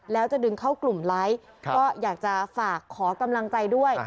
แล้วจะดึงเข้ากลุ่มไลค์ก็อยากจะฝากขอกำลังใจด้วย